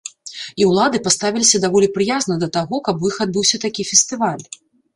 І ўлады паставіліся даволі прыязна да таго, каб у іх адбыўся такі фестываль.